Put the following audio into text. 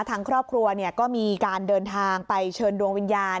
ทางครอบครัวก็มีการเดินทางไปเชิญดวงวิญญาณ